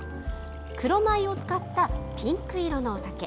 黒米を使ったピンク色のお酒。